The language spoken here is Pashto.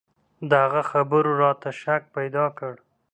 د هغه خبرو راته شک پيدا کړ.